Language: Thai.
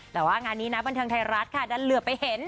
แต่งานนี้นับวันทางไทยรัฐค่ะได้เหลือไปเห็น